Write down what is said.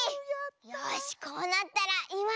よしこうなったらいまのうちに！